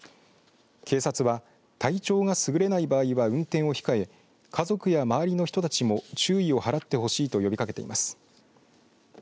警察は体調がすぐれない場合は運転を控え家族や周りの人たちも注意を払ってほしいと呼びかけています。